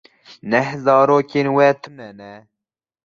Neh zarokên we tune ne.